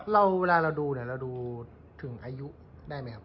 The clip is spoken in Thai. เวลาเราดูเนี่ยเราดูถึงอายุได้ไหมครับ